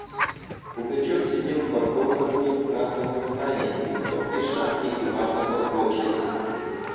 Пугачев сидел под образами, в красном кафтане, в высокой шапке и важно подбочась.